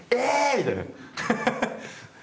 みたいな。